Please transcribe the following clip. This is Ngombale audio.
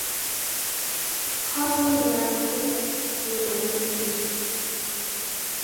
Hó zə̂u nyarə́ ńgó no yəlʉ̂ŋ təi?